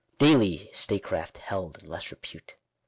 Daily is statecraft held in less repute.